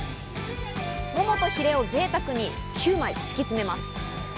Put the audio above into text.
モモとヒレをぜいたくに９枚、敷き詰めます。